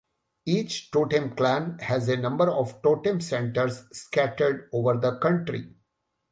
Each totem clan has a number of totem centers scattered over the country.